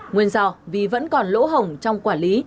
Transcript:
nguyên do vì vẫn còn lỗ hồng trong quản lý